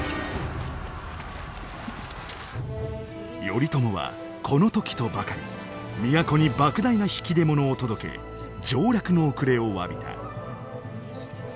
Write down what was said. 頼朝はこの時とばかり都に莫大な引き出物を届け上洛の遅れをわびた。